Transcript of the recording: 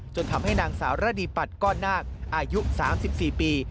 ทำให้นางสาวระดีปัดก้อนนาคอายุ๓๔ปี